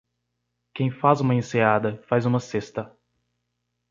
Quem faz uma enseada, faz uma cesta.